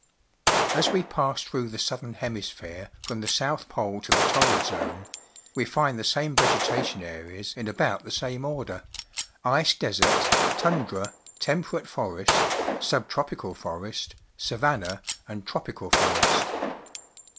As we pass through the Southern Hemis phere from the south pole to the Torrid Zone, we find the same vegetation areas in about the same order — ice desert, tun dra, temperate forest, sub tropi cal forest, savanna, and tropical forest.